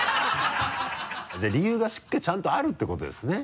じゃあ理由がしっかりちゃんとあるってことですね？